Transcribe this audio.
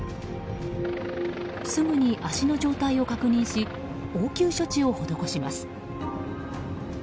すぐに足の状態を確認し応急処置を施します。